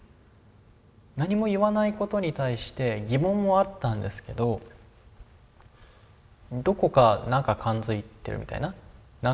何も言わないことに対して疑問もあったんですけどどこか何か感づいてるみたいな。